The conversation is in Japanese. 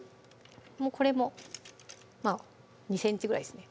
もうこれも２ｃｍぐらいですね